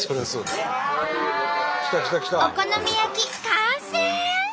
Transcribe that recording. お好み焼き完成！